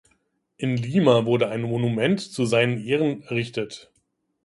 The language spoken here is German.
In Lima wurde ein Monument zu seinen Ehren errichtet.